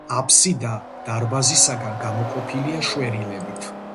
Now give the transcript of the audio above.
აბსიდა დარბაზისაგან გამოყოფილია შვერილებით.